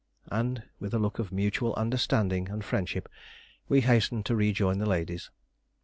And with a look of mutual understanding and friendship we hastened to rejoin the ladies.